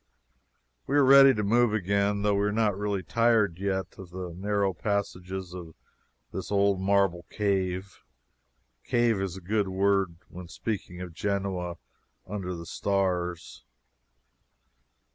We are ready to move again, though we are not really tired yet of the narrow passages of this old marble cave. Cave is a good word when speaking of Genoa under the stars.